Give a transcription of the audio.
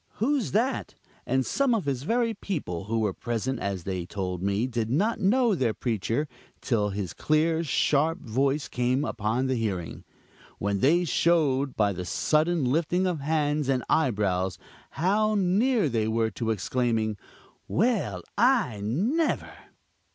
who's that?" And some of his very people, who were present, as they told me, did not know their preacher till his clear, sharp voice came upon the hearing, when they showed, by the sudden lifting of hands and eyebrows, how near they were to exclaiming: "Well! I never!"